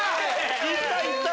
いったいった！